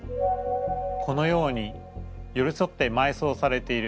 このようによりそってまいそうされている。